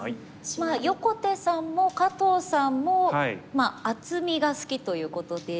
横手さんも加藤さんも厚みが好きということで。